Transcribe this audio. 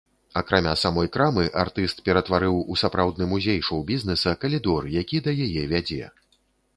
Акрамя самой крамы артыст ператварыў у сапраўдны музей шоў-бізнэса калідор, які да яе вядзе.